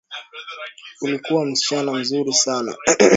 Ulikuwa msichana muzuri sana.